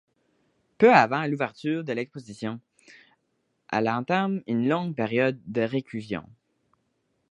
Peu avant l'ouverture de l'exposition, elle entame une longue période de réclusion.